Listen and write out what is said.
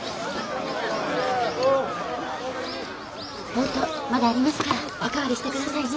ほうとうまだありますからお代わりして下さいね。